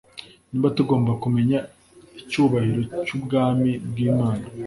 niba tugomba kumenya icyubahiro cy'Ubwami bw'Imana.